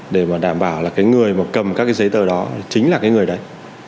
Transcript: để mà đảm bảo là cái người mà cầm các cái giấy tờ đó chính là cái người đấy